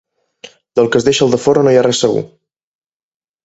Del que es deixa al defora no hi ha res segur.